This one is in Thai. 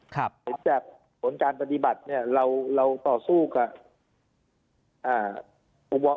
เห็นจากผลการปฏิบัติเนี่ยเราต่อสู้กับอุบล